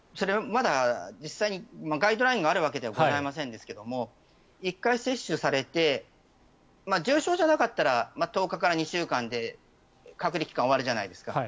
実際にガイドラインがあるわけではございませんですけども１回接種されて重症じゃなかったら１０日から２週間で隔離期間が終わるじゃないですか。